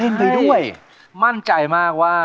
ยังเพราะความสำคัญ